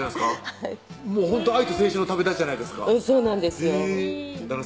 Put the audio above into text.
はいほんと愛と青春の旅だちじゃないで旦那